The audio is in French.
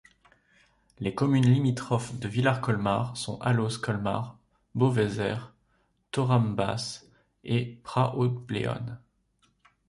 Les communes limitrophes de Villars-Colmars sont Allos, Colmars, Beauvezer, Thorame-Basse et Prads-Haute-Bléone.